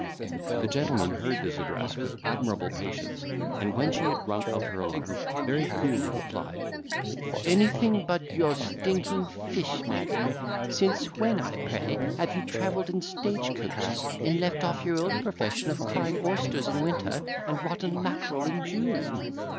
The gentleman heard this address with admirable patience, and when she had rung out her alarm, very coolly replied, "Anything but your stinking fish madam. Since when, I pray, have you travelled in stage coaches, and left off your old profession of crying oysters in winter, and rotten mackerel in June?